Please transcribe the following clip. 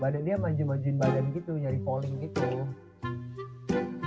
badan dia manju manjuin badan gitu nyari polling gitu